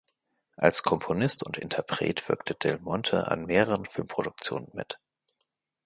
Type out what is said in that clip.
Als Komponist und Interpret wirkte del Monte an mehreren Filmproduktionen mit.